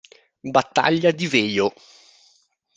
Battaglia di Veio